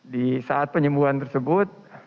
di saat penyembuhan tersebut